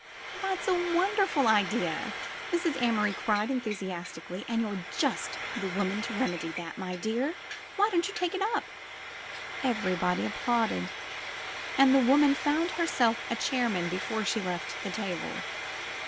''That's a wonderful idea," Mrs. Amory cried enthu siastically, "and you're just the woman to remedy that, my dear! Why don't you take it up?" 182 THE FILM OF FATE Everybody applauded, and the woman found herself a chairman before she left the table.